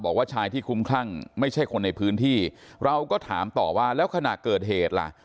บอกว่าชายที่คุ้มคลั่งไม่ใช่คนในพื้นที่เราก็ถามต่อว่าแล้วขณะเกิดเหตุล่ะ